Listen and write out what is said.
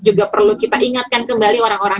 juga perlu kita ingatkan kembali orang orang